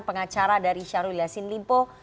pengacara dari syahrul yassin limpo